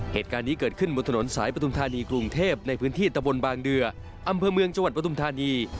เหตุการณ์นี้เกิดขึ้นบนถนนสายปฐุมธานีกรุงเทพในพื้นที่ตะบนบางเดืออำเภอเมืองจังหวัดปฐุมธานี